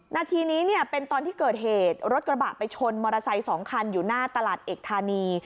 นาทีนี้เนี่ยเป็นตอนที่เกิดเหตุรถกระบะไปชนมอเตอร์ไซค์๒คันอยู่หน้าตลาดเอกธานี